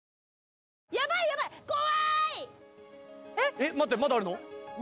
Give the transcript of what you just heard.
えっ待ってまだあるの？